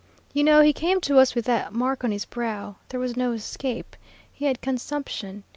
You know he came to us with the mark on his brow. There was no escape; he had consumption.